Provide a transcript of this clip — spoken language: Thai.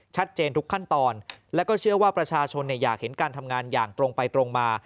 ชัดเจนทุกขั้นตอนแล้วก็เชื่อว่าประชาชนอยากเห็นการทำงานอย่างตรงไปตรงมา